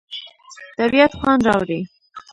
طبیعت خوند راوړي.